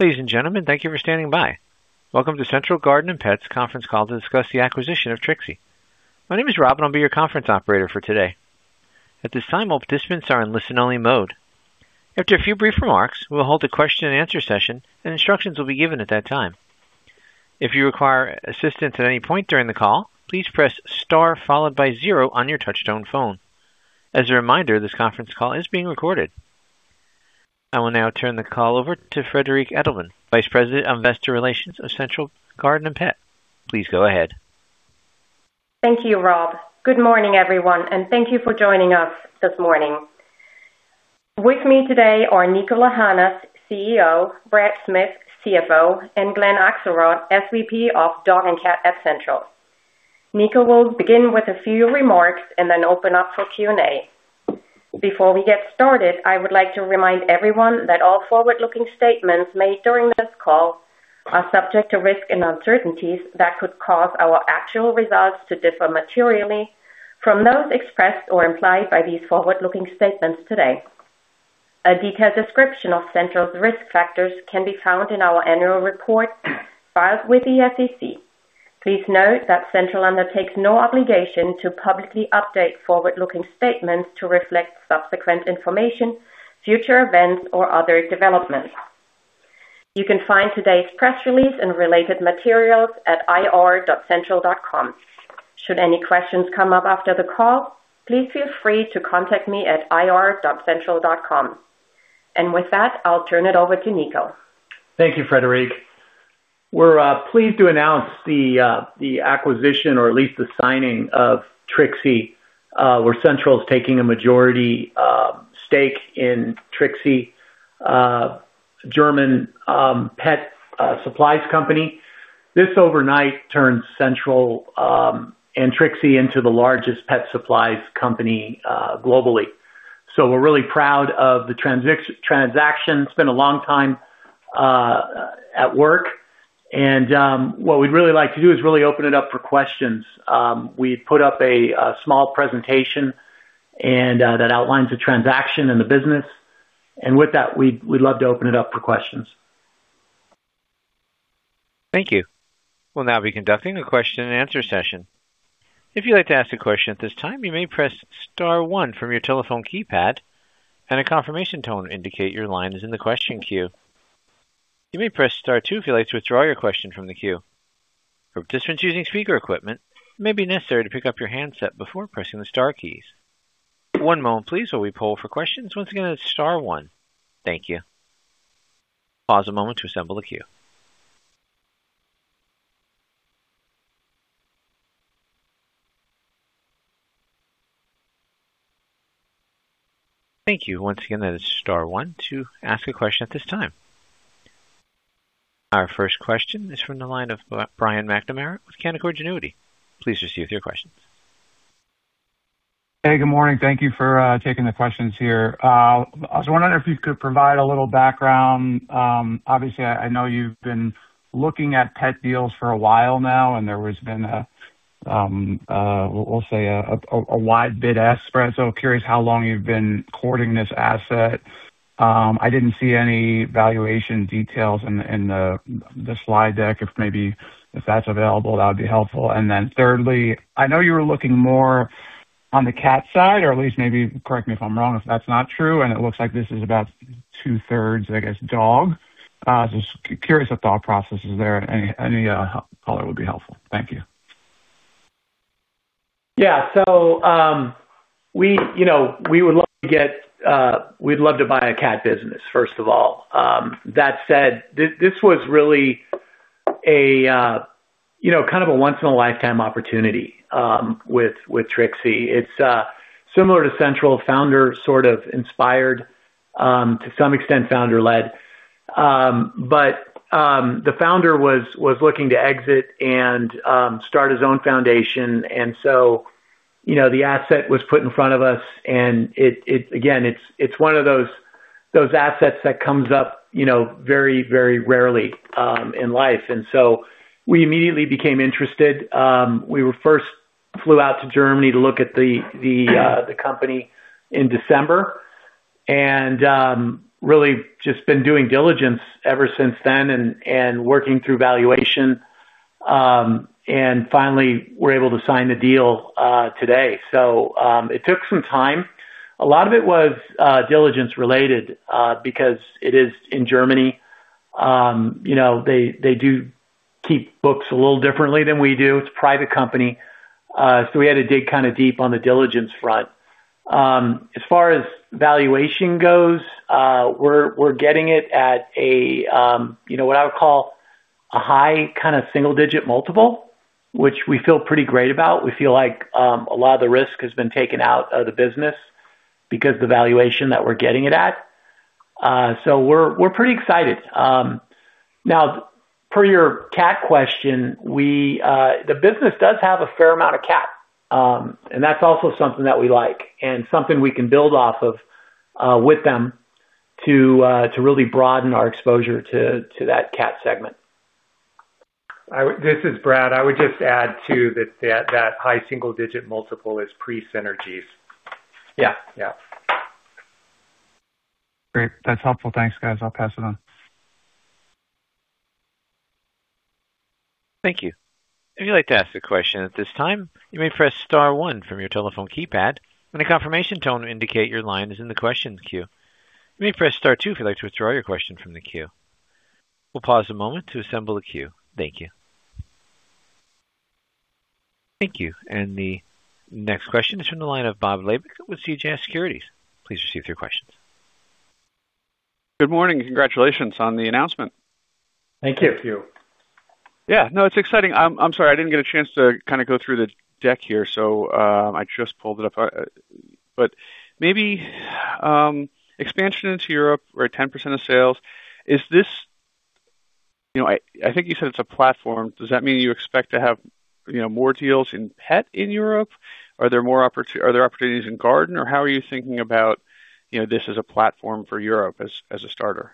Ladies and gentlemen, thank you for standing by. Welcome to Central Garden & Pet's conference call to discuss the acquisition of TRIXIE. My name is Rob, and I'll be your conference operator for today. At this time, all participants are in listen-only mode. After a few brief remarks, we'll hold a question-and-answer session, and instructions will be given at that time. If you require assistance at any point during the call, please press star followed by zero on your touch-tone phone. As a reminder, this conference call is being recorded. I will now turn the call over to Friederike Edelmann, Vice President of Investor Relations of Central Garden & Pet. Please go ahead. Thank you, Rob. Good morning, everyone, and thank you for joining us this morning. With me today are Niko Lahanas, CEO, Brad Smith, CFO, and Glen Axelrod, SVP of Dog & Cat at Central. Niko will begin with a few remarks and then open up for Q&A. Before we get started, I would like to remind everyone that all forward-looking statements made during this call are subject to risks and uncertainties that could cause our actual results to differ materially from those expressed or implied by these forward-looking statements today. A detailed description of Central's risk factors can be found in our annual report filed with the SEC. Please note that Central undertakes no obligation to publicly update forward-looking statements to reflect subsequent information, future events, or other developments. You can find today's press release and related materials at ir.central.com. Should any questions come up after the call, please feel free to contact me at ir.central.com. With that, I'll turn it over to Niko. Thank you, Friederike. We're pleased to announce the acquisition or at least the signing of TRIXIE, where Central's taking a majority stake in TRIXIE, a German pet supplies company. This overnight turns Central and TRIXIE into the largest pet supplies company globally. We're really proud of the transaction. It's been a long time at work, what we'd really like to do is really open it up for questions. We've put up a small presentation, that outlines the transaction and the business. With that, we'd love to open it up for questions. Thank you. We'll now be conducting a question-and answer session. If you'd like to ask a question at this time, you may press star one from your telephone keypad, and a confirmation tone will indicate your line is in the question queue. You may press star two if you'd like to withdraw your question from the queue. For participants using speaker equipment, it may be necessary to pick up your handset before pressing the star keys. One moment please while we poll for questions. Once again, that's star one. Thank you. Pause a moment to assemble the queue. Thank you. Once again, that is star one to ask a question at this time. Our first question is from the line of Brian McNamara with Canaccord Genuity. Please proceed with your questions. Hey, good morning. Thank you for taking the questions here. I was wondering if you could provide a little background. Obviously, I know you've been looking at pet deals for a while now, and there has been, we'll say, a wide bid ask spread. Curious how long you've been courting this asset. I didn't see any valuation details in the slide deck. If maybe, if that's available, that would be helpful. Thirdly, I know you were looking more on the cat side, or at least maybe, correct me if I'm wrong, if that's not true, and it looks like this is about two-thirds, I guess, dog. Just curious the thought process there. Any color would be helpful. Thank you. We'd love to buy a cat business, first of all. That said, this was really kind of a once-in-a-lifetime opportunity with TRIXIE. It's similar to Central, founder sort of inspired, to some extent founder-led. The Founder was looking to exit and start his own foundation, the asset was put in front of us, and again, it's one of those assets that comes up very rarely in life. We immediately became interested. We first flew out to Germany to look at the company in December, really just been doing diligence ever since then and working through valuation. Finally, we're able to sign the deal today. It took some time. A lot of it was diligence related, because it is in Germany. They do keep books a little differently than we do. It's a private company. We had to dig kind of deep on the diligence front. As far as valuation goes, we're getting it at what I would call a high kind of single-digit multiple, which we feel pretty great about. We feel like a lot of the risk has been taken out of the business because the valuation that we're getting it at. We're pretty excited. Now, per your cat question, the business does have a fair amount of cat. That's also something that we like and something we can build off of with them to really broaden our exposure to that cat segment. This is Brad. I would just add, too, that high single-digit multiple is pre-synergies. Yeah. Yeah. Great. That's helpful. Thanks, guys. I'll pass it on. Thank you. If you'd like to ask a question at this time, you may press star one from your telephone keypad and a confirmation tone will indicate your line is in the questions queue. You may press star two if you'd like to withdraw your question from the queue. We'll pause a moment to assemble the queue. Thank you. Thank you. The next question is from the line of Bob Labick with CJS Securities. Please proceed with your questions. Good morning, congratulations on the announcement. Thank you. Thank you. No, it's exciting. I'm sorry, I didn't get a chance to go through the deck here, so I just pulled it up. Maybe expansion into Europe or 10% of sales, I think you said it's a platform. Does that mean you expect to have more deals in pet in Europe? Are there opportunities in garden, or how are you thinking about this as a platform for Europe as a starter?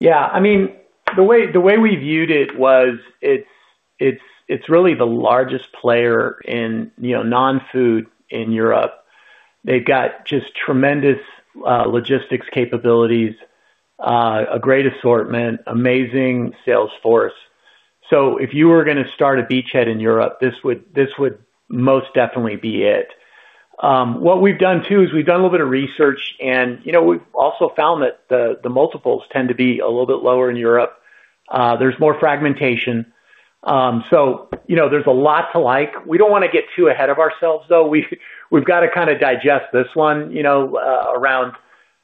The way we viewed it was, it's really the largest player in non-food in Europe. They've got just tremendous logistics capabilities, a great assortment, amazing sales force. If you were going to start a beachhead in Europe, this would most definitely be it. What we've done too, is we've done a little bit of research, and we've also found that the multiples tend to be a little bit lower in Europe. There's more fragmentation. There's a lot to like. We don't want to get too ahead of ourselves, though. We've got to kind of digest this one around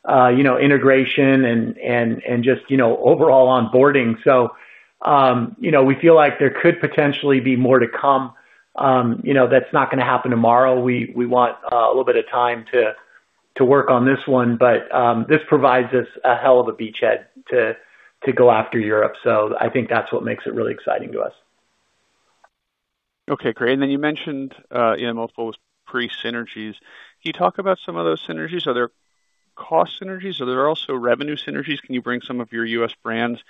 integration and just overall onboarding. We feel like there could potentially be more to come. That's not going to happen tomorrow. We want a little bit of time to work on this one. This provides us a hell of a beachhead to go after Europe. I think that's what makes it really exciting to us. Okay, great. You mentioned pre-synergies. Can you talk about some of those synergies? Are there cost synergies? Are there also revenue synergies? Can you bring some of your U.S. brands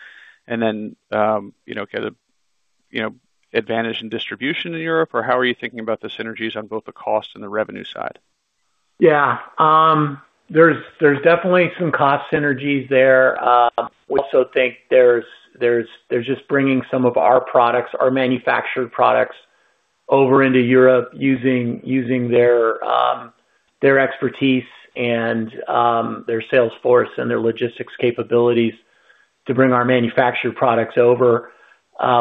and then get an advantage in distribution in Europe? How are you thinking about the synergies on both the cost and the revenue side? Yeah. There's definitely some cost synergies there. We also think there's just bringing some of our products, our manufactured products, over into Europe using their expertise and their sales force and their logistics capabilities to bring our manufactured products over.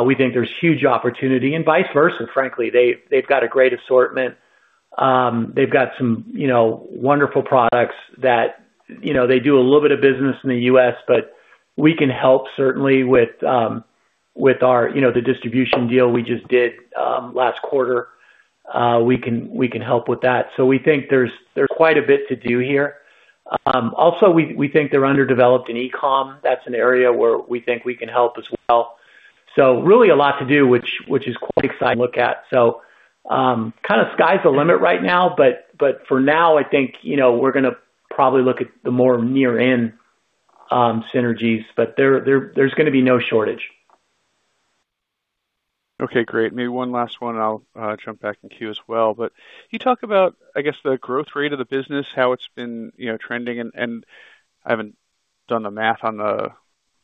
We think there's huge opportunity and vice versa, frankly. They've got a great assortment. They've got some wonderful products that they do a little bit of business in the U.S., but we can help certainly with the distribution deal we just did last quarter. We can help with that. We think there's quite a bit to do here. Also, we think they're underdeveloped in e-commerce. That's an area where we think we can help as well. Really a lot to do, which is quite exciting to look at. Kind of sky's the limit right now. For now, I think we're going to probably look at the more near-in synergies, but there's going to be no shortage. Okay, great. Maybe one last one, and I'll jump back in queue as well. Can you talk about, I guess, the growth rate of the business, how it's been trending, and I haven't done the math on the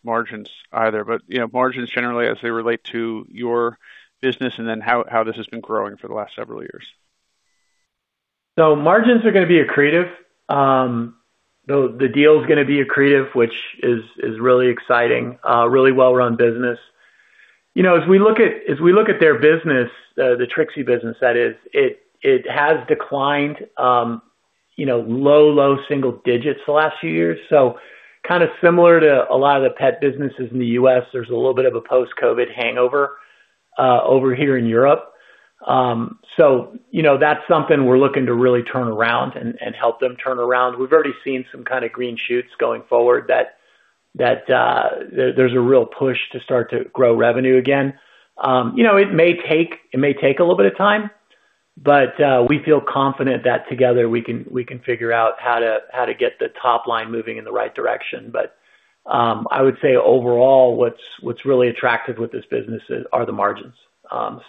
margins either, but margins generally as they relate to your business, and then how this has been growing for the last several years. Margins are going to be accretive. The deal is going to be accretive, which is really exciting. A really well-run business. As we look at their business, the TRIXIE business that is, it has declined low single digits the last few years. Kind of similar to a lot of the pet businesses in the U.S., there's a little bit of a post-COVID hangover over here in Europe. That's something we're looking to really turn around and help them turn around. We've already seen some kind of green shoots going forward that there's a real push to start to grow revenue again. It may take a little bit of time, but we feel confident that together we can figure out how to get the top line moving in the right direction. I would say overall, what's really attractive with this business are the margins. Again,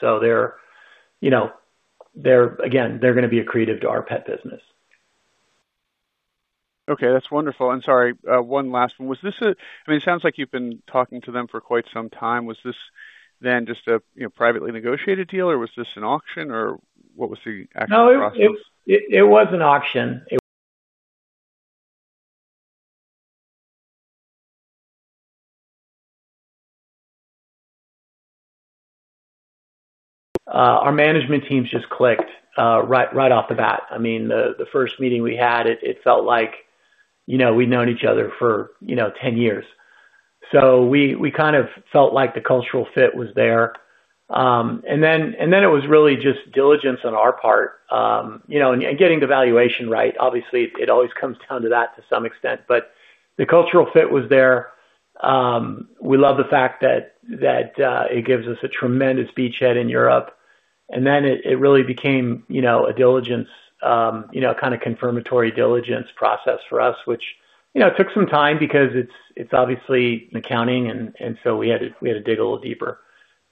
they're going to be accretive to our pet business. Okay. That's wonderful. I'm sorry, one last one. I mean, it sounds like you've been talking to them for quite some time. Was this just a privately negotiated deal, or was this an auction, or what was the actual process? No, it was an auction. Our management teams just clicked right off the bat. The first meeting we had, it felt like we'd known each other for 10 years. We kind of felt like the cultural fit was there. It was really just diligence on our part and getting the valuation right. Obviously, it always comes down to that to some extent, the cultural fit was there. We love the fact that it gives us a tremendous beachhead in Europe. It really became a kind of confirmatory diligence process for us, which took some time because it's obviously accounting, we had to dig a little deeper.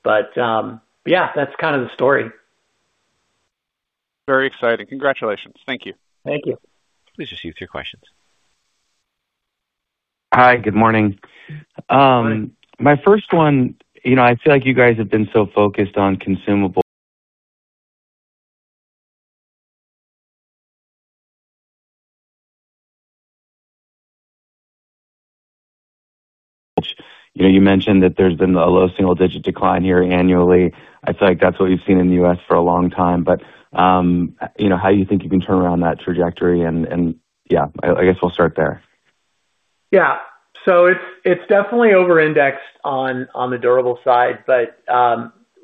Yeah, that's kind of the story. Very exciting. Congratulations. Thank you. Thank you. [Please just queue with your questions]. Hi. Good morning. Good morning. My first one, I feel like you guys have been so focused on consumable. You mentioned that there's been a low-single-digit decline here annually. I feel like that's what we've seen in the U.S. for a long time. How you think you can turn around that trajectory, yeah, I guess we'll start there. Yeah. It's definitely over-indexed on the durable side, but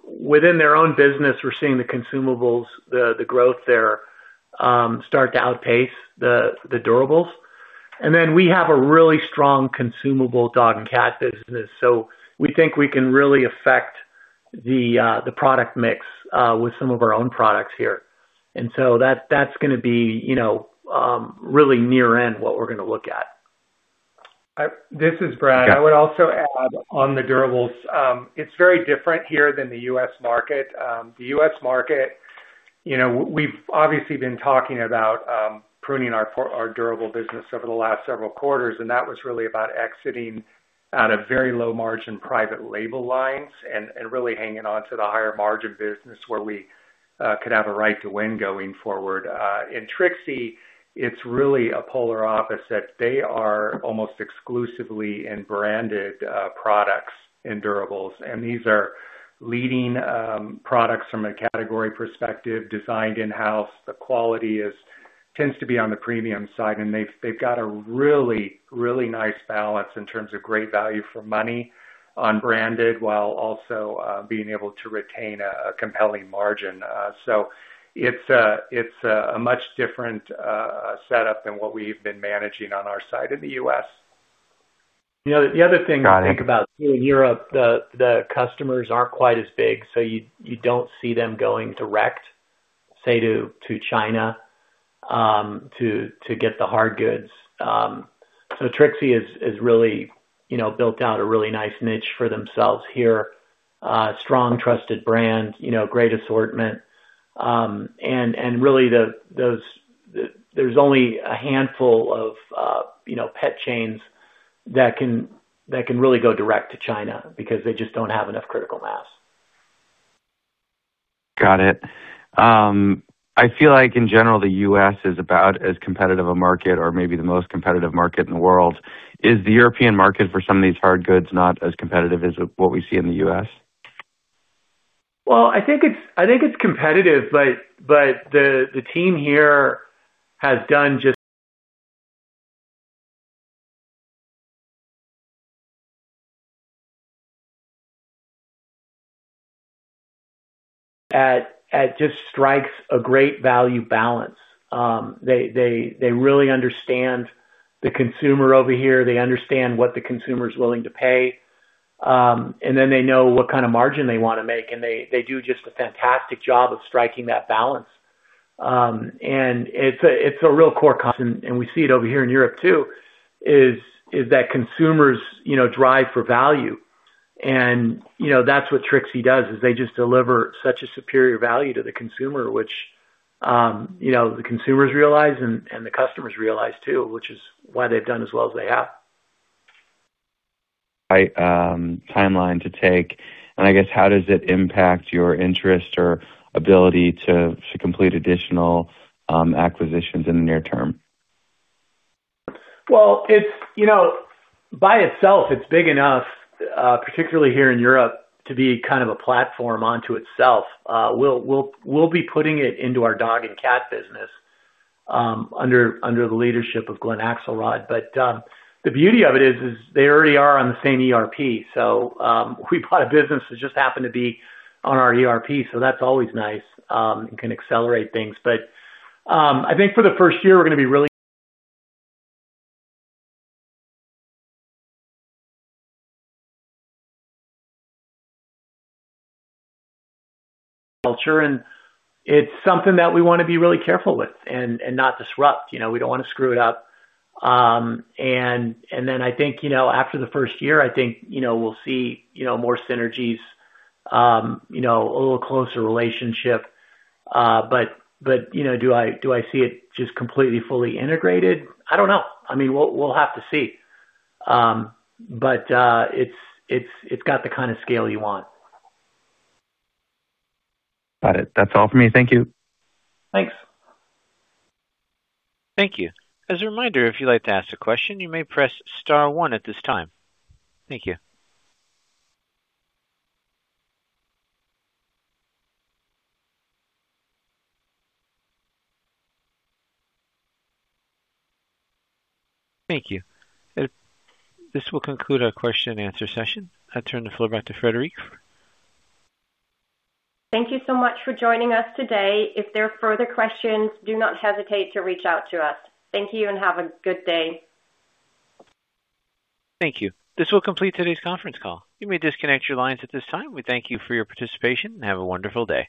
within their own business, we're seeing the consumables, the growth there, start to outpace the durables. We have a really strong consumable dog and cat business. We think we can really affect the product mix with some of our own products here. That's gonna be really near in what we're gonna look at. This is Brad. Okay. I would also add on the durables, it's very different here than the U.S. market. The U.S. market, we've obviously been talking about pruning our durable business over the last several quarters, and that was really about exiting at a very low margin private label lines and really hanging on to the higher margin business where we could have a right to win going forward. In TRIXIE, it's really a polar opposite. They are almost exclusively in branded products in durables, and these are leading products from a category perspective, designed in-house. The quality tends to be on the premium side, and they've got a really, really nice balance in terms of great value for money on branded, while also being able to retain a compelling margin. It's a much different setup than what we've been managing on our side in the U.S.. The other thing. Got it. To think about here in Europe, the customers aren't quite as big, so you don't see them going direct, say, to China to get the hard goods. TRIXIE has really built out a really nice niche for themselves here. A strong, trusted brand, great assortment. Really, there's only a handful of pet chains that can really go direct to China because they just don't have enough critical mass. Got it. I feel like in general, the U.S. is about as competitive a market or maybe the most competitive market in the world. Is the European market for some of these hard goods not as competitive as what we see in the U.S.? I think it's competitive, the team here has done just strikes a great value balance. They really understand the consumer over here. They understand what the consumer is willing to pay. They know what kind of margin they wanna make, and they do just a fantastic job of striking that balance. It's a real core comp, and we see it over here in Europe too, is that consumers drive for value. That's what TRIXIE does, is they just deliver such a superior value to the consumer, which the consumers realize and the customers realize too, which is why they've done as well as they have. Right. Timeline to take, and I guess how does it impact your interest or ability to complete additional acquisitions in the near term? By itself, it's big enough, particularly here in Europe, to be kind of a platform onto itself. We'll be putting it into our dog and cat business under the leadership of Glen Axelrod. The beauty of it is they already are on the same ERP. We bought a business that just happened to be on our ERP, so that's always nice. It can accelerate things. I think for the first year, we're gonna be really culture, and it's something that we wanna be really careful with and not disrupt. We don't wanna screw it up. I think after the first year, I think we'll see more synergies, a little closer relationship. Do I see it just completely, fully integrated? I don't know. We'll have to see. It's got the kind of scale you want. Got it. That's all for me. Thank you. Thanks. Thank you. As a reminder, if you'd like to ask a question, you may press star one at this time. Thank you. Thank you. This will conclude our question-and-answer session. I turn the floor back to Friederike. Thank you so much for joining us today. If there are further questions, do not hesitate to reach out to us. Thank you and have a good day. Thank you. This will complete today's conference call. You may disconnect your lines at this time. We thank you for your participation, and have a wonderful day.